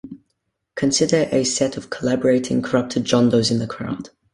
Consider a set of collaborating corrupted jondos in the crowd.